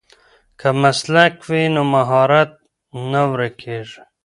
که مسلک وي نو مهارت نه ورکېږي.